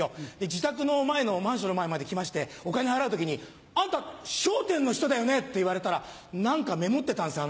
自宅のマンションの前まで来ましてお金払う時に「あんた『笑点』の人だよね？」って言われたら何かメモってたんですよ